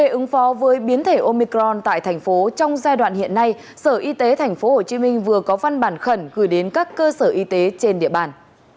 để ứng phó với biến thể omicron tại thành phố trong giai đoạn hiện nay sở y tế tp hcm vừa có văn bản khẩn gửi đến các cơ sở y tế trên địa bàn